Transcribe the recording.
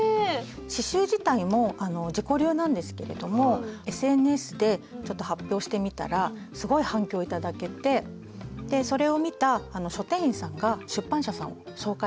刺しゅう自体も自己流なんですけれどもＳＮＳでちょっと発表してみたらすごい反響頂けてそれを見た書店員さんが出版社さんを紹介して下さって。